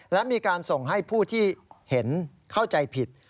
และมีการส่งให้ผู้ที่เห็นเข้าใจผิด